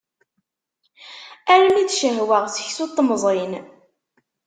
Armi d-cehwaɣ seksu n temẓin.